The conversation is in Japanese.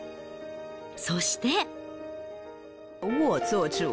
そして。